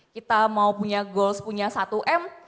kita mau punya goals punya satu m